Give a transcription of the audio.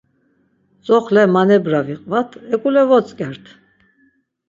Tzoxle manebra viqvat, eǩule votzǩert.